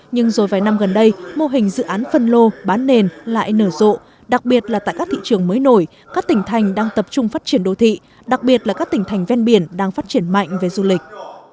nhưng rồi vài năm gần đây mô hình dự án phân lô bán nền lại nở rộ đặc biệt là tại các thị trường mới nổi các tỉnh thành đang tập trung phát triển đô thị đặc biệt là các tỉnh thành ven biển đang phát triển mạnh về du lịch